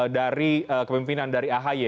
dari kemimpinan dari ahy